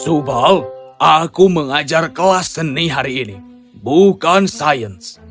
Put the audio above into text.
subal aku mengajar kelas seni hari ini bukan sains